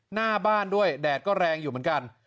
หน้าบ้านด้วยแดดก็แรงอยู่เหมือนกัน